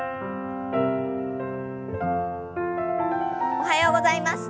おはようございます。